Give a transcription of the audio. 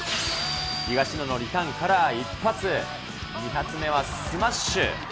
東野のリターンから１発、２発目はスマッシュ。